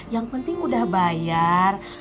yang penting udah bayar